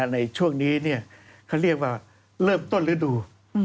ในช่วงนี้เขาเรียกว่าเริ่มต้นฤดู